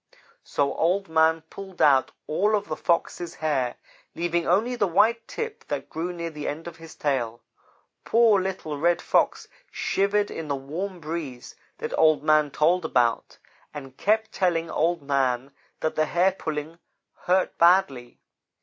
"So Old man pulled out all of the Fox's hair, leaving only the white tip that grew near the end of his tail. Poor little Red Fox shivered in the warm breeze that Old man told about, and kept telling Old man that the hair pulling hurt badly.